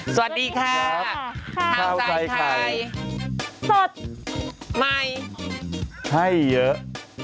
สวัสดีค่ะข้าวใส่ไข่สดใหม่ให้เยอะ